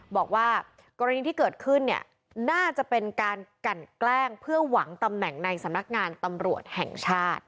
บอกว่ากรณีที่เกิดขึ้นเนี่ยน่าจะเป็นการกันแกล้งเพื่อหวังตำแหน่งในสำนักงานตำรวจแห่งชาติ